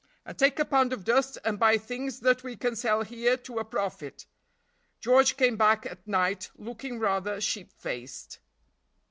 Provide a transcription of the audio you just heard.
"And take a pound of dust and buy things that we can sell here to a profit." George came back at night looking rather sheep faced.